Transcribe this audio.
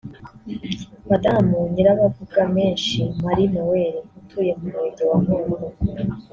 Madamu Nyirabavugamenshi Marie Noela utuye mu murenge wa Nkombo